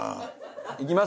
いきます？